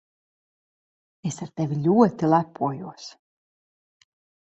Es ar tevi ļoti lepojos.